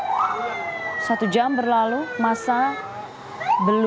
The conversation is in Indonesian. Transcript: sementara itu mereka sudah belajar dari researcher tersebut